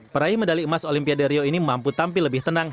peraih medali emas olimpiade rio ini mampu tampil lebih tenang